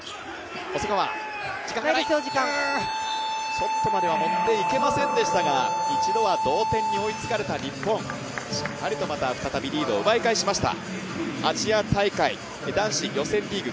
ショットまでは持っていけませんでしたが一度は同点に追いつかれた日本、しっかりとまた再びリードを奪い返しました。